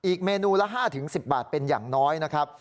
เมนูละ๕๑๐บาทเป็นอย่างน้อยนะครับ